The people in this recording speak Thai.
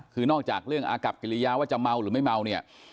คือนอกจากเรื่องอากับกิริยาว่าจะเมาหรือไม่เมาเนี่ย